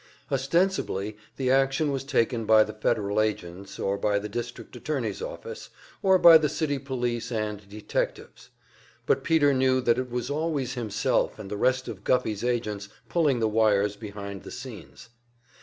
Ostensibly the action was taken by the Federal agents, or by the District Attorney's office, or by the city police and detectives; but Peter knew that it was always himself and the rest of Guffey's agents, pulling the wires behind the scenes.